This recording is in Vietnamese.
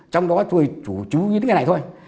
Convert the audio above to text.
trong đó tôi chủ trú những cái này thôi